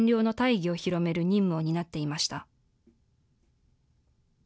現地の人々に占領の大義を広める任務を担っていました。